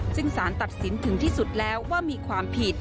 ซึ่งสารตัดสินถึงที่สุดแล้วว่ามีความผิด